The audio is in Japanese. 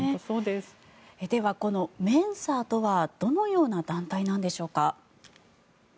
では、このメンサとはどのような団体なんでしょうか。